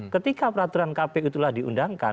ketika peraturan kpu itulah diundangkan